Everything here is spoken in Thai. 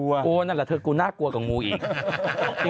กลัวนั่นล่ะคุณกิวน่ากลัวกับงูอีก